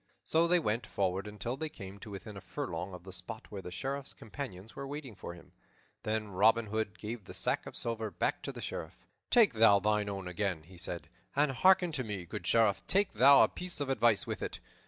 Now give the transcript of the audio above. So they went forward until they came to within a furlong of the spot where the Sheriff's companions were waiting for him. Then Robin Hood gave the sack of silver back to the Sheriff. "Take thou thine own again," he said, "and hearken to me, good Sheriff, take thou a piece of advice with it.